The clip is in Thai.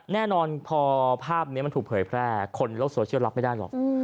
แน่นอนพอภาพนี้มันถูกเผยแพร่คนโลกโซเชียลรับไม่ได้หรอก